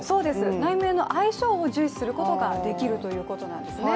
内面の相性が重視することができるということですね。